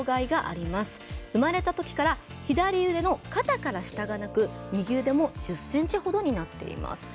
生まれたときから左腕の肩から下がなく右腕も１０ｃｍほどになっています。